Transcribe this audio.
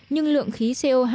nhưng lượng khí co hai